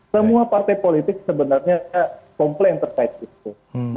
semua partai politik sebenarnya komplain terkait itu